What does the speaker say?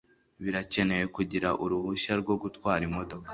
Birakenewe kugira uruhushya rwo gutwara imodoka.